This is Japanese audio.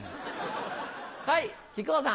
はい木久扇さん。